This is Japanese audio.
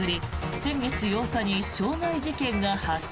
先月８日に傷害事件が発生。